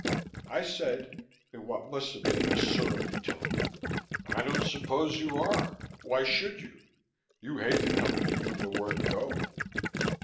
I said, in what must have been a surly tone, "I don't suppose you are why should you? You hate the Company from the word go."